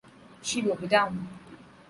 She'll be down.